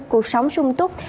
cuộc sống sung túc